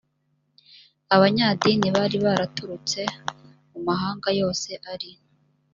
abanyadini bari baraturutse mu mahanga yose ari